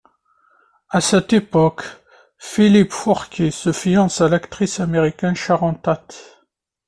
À cette époque, Philippe Forquet se fiance à l'actrice américaine Sharon Tate.